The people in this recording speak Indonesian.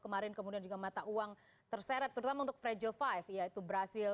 kemarin kemudian juga mata uang terseret terutama untuk fragile five yaitu brazil